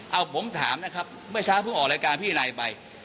เอาผมถามนะครับเมื่อเช้าเพิ่งออกรายการพี่นายไป